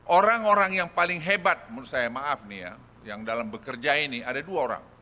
orang orang yang paling hebat menurut saya maaf nih ya yang dalam bekerja ini ada dua orang